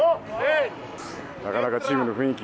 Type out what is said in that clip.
なかなか、チームの雰囲気